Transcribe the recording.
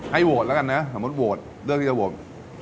โหวตแล้วกันนะสมมุติโหวตเลือกที่จะโหวต